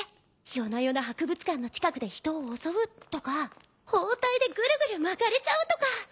夜な夜な博物館の近くで人を襲うとか包帯でグルグル巻かれちゃうとか。